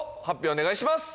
お願いします！